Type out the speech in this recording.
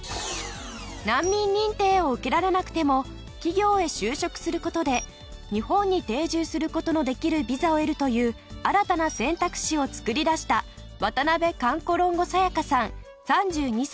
難民認定を受けられなくても企業へ就職する事で日本に定住する事のできるビザを得るという新たな選択肢を作り出した渡部カンコロンゴ清花さん３２歳。